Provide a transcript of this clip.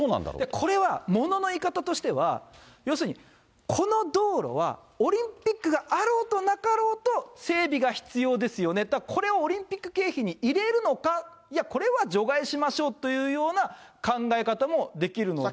これはものの言い方としては、要するに、この道路はオリンピックがあろうとなかろうと、整備が必要ですよねと、これ、オリンピック経費に入れるのか、いや、これは除外しましょうというような考え方もできるので。